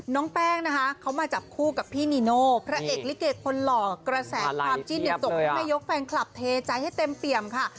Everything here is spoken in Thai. น้องแป้งนะคะเขามาจับคู่กับพี่นีโน่พระเอกลิเกคนหล่อกระแสความจิ้นเนี่ยส่งให้แม่ยกแฟนคลับเทใจให้เต็มเปี่ยมค่ะ